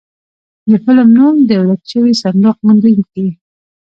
د فلم نوم و د ورک شوي صندوق موندونکي.